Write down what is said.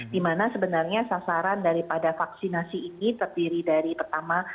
dimana sebenarnya sasaran daripada vaksinasi ini terdiri dari pertama